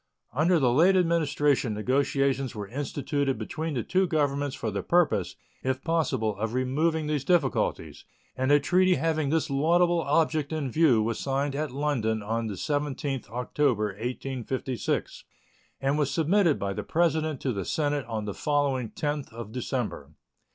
Under the late Administration negotiations were instituted between the two Governments for the purpose, if possible, of removing these difficulties, and a treaty having this laudable object in view was signed at London on the 17th October, 1856, and was submitted by the President to the Senate on the following 10th of December.